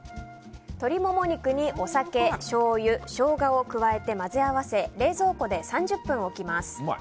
塩モモ肉にお酒、しょうゆショウガを加えて混ぜ合わせ冷蔵庫で３０分置きます。